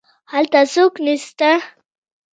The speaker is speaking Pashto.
دلته څوک نسته